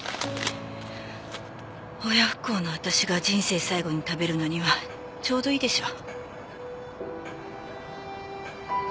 親不孝の私が人生最後に食べるのにはちょうどいいでしょ。